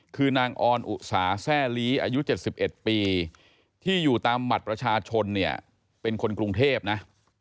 คือนางออนอุสาแซ่ลีอายุ๗๑ปีที่อยู่ตามบัตรประชาชนเนี่ยเป็นคนกรุงเทพนะ